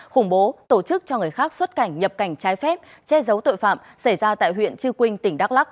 khủng bố tổ chức cho người khác xuất cảnh nhập cảnh trái phép che giấu tội phạm xảy ra tại huyện chư quynh tỉnh đắk lắc